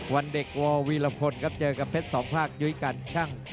วันเด็กวอลวีลพลันเจอกับพัชสองพักยุยกาชัง